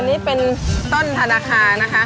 อันนี้เป็นต้นธนาคารนะคะ